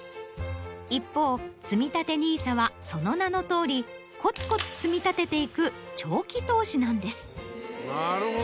一方つみたてＮＩＳＡはその名のとおりコツコツ積み立てていく長期投資なんです。